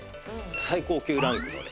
最高級ランクのね